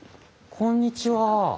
こんにちは。